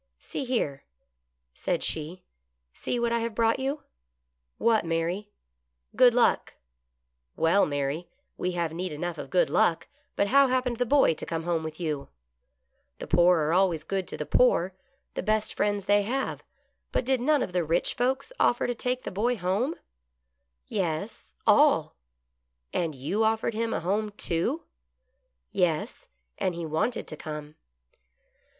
" See here," said she, " see what I have brought you." " What, Mary ?"" Good Luck." " Well, Mary, we have need enough of good luck, but how happened the boy to come home with you ? The poor are always good to the poor; the best friends they have ; but did none of the rich folks offer to take the boy home ?" GOOD LUCK. 57 " Yes, all." And you offered him a home, too ?"" Yes, and he wanted to come."